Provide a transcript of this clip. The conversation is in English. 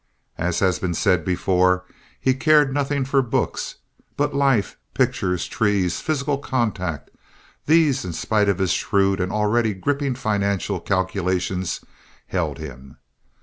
As has been said before, he cared nothing for books, but life, pictures, trees, physical contact—these, in spite of his shrewd and already gripping financial calculations, held him.